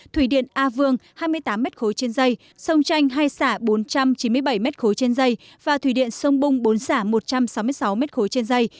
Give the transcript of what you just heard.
thủy điện a vương hai mươi tám m ba trên dây sông tranh hai xả bốn trăm chín mươi bảy m ba trên dây và thủy điện sông bung bốn xả một trăm sáu mươi sáu m ba trên dây